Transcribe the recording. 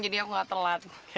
jadi aku gak telat